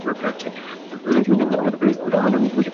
ইতিমধ্যে, আমার বাড়িতে সমস্যা, আর আমরা মিথ্যা বলছি এটা বলল কেন?